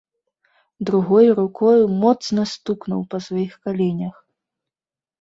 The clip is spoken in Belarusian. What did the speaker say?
Другою рукою моцна стукнуў па сваіх каленях.